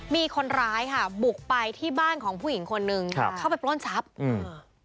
มีคนร้ายค่ะบุกไปที่บ้านของผู้หญิงคนหนึ่งครับเข้าไปปล้นทรัพย์อืม